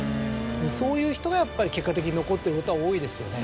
そういう人がやっぱり結果的に残ってることが多いですよね。